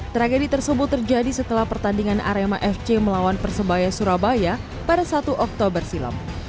tragedi tersebut terjadi setelah pertandingan arema fc melawan persebaya surabaya pada satu oktober silam